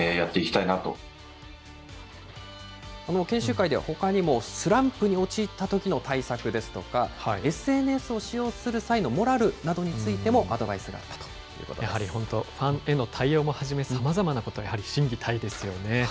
研修会では、ほかにもスランプに陥ったときの対策ですとか、ＳＮＳを使用する際のモラルなどについてもアドバイスがあったとやはり本当、ファンへの対応もはじめ、さまざまなこと、やはり心技体ですよね。